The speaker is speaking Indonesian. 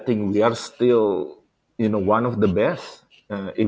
kita masih salah satu dari yang terbaik